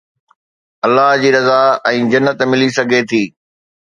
الله جي رضا ۽ جنت ملي سگهي ٿي